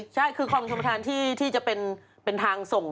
ใช่คือคลองชมประธานที่จะเป็นทางส่ง